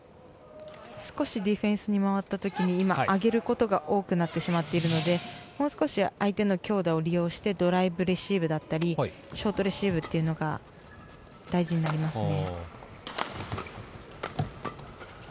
少しディフェンスに回った時に今、上げることが多くなってしまっているのでもう少し相手の強打を利用してドライブレシーブだったりショートレシーブというのが大事になりますね。